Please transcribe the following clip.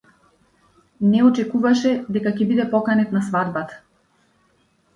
Не очекуваше дека ќе биде поканет на свадбата.